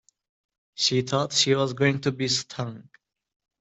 She thought she was going to be stung.